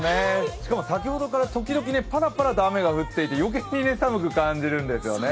しかも先ほどからパラパラと雨が降っていて余計に寒く感じるんですよね。